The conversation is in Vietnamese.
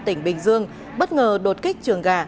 tỉnh bình dương bất ngờ đột kích trường gà